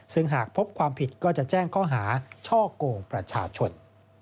ซึ่งหากพบความผิดก็จะแจ้งข้อหาช่อกงประชาชน